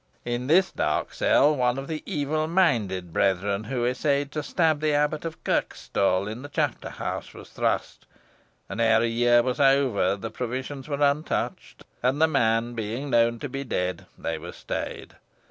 In this dark cell one of the evil minded brethren, who essayed to stab the Abbot of Kirkstall in the chapter house, was thrust, and ere a year was over, the provisions were untouched and the man being known to be dead, they were stayed.